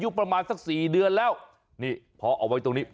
ประมาณสักสี่เดือนแล้วนี่พอเอาไว้ตรงนี้